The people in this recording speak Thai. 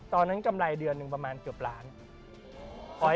กำไรเดือนหนึ่งประมาณเกือบล้าน